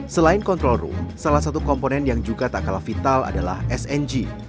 selain control room salah satu komponen yang juga tak kalah vital adalah sng